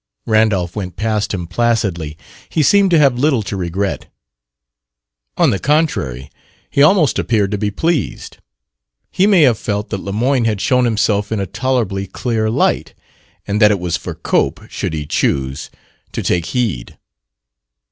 Randolph went past him placidly. He seemed to have little to regret. On the contrary, he almost appeared to be pleased. He may have felt that Lemoyne had shown himself in a tolerably clear light, and that it was for Cope, should he choose, to take heed.